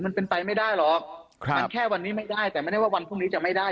มันเป็นไปไม่ได้หรอกครับมันแค่วันนี้ไม่ได้แต่ไม่ได้ว่าวันพรุ่งนี้จะไม่ได้